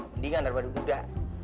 mendingan daripada duda